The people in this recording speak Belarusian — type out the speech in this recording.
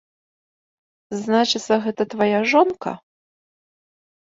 Значыцца, гэта твая жонка?